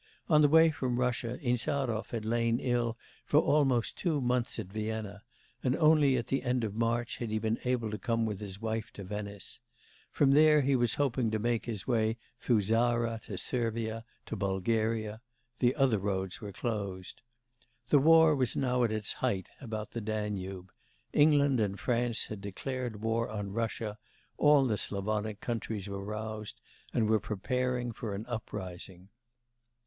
On the way from Russia, Insarov had lain ill for almost two months at Vienna, and only at the end of March had he been able to come with his wife to Venice; from there he was hoping to make his way through Zara to Servia, to Bulgaria; the other roads were closed. The war was now at its height about the Danube; England and France had declared war on Russia, all the Slavonic countries were roused and were preparing for an uprising.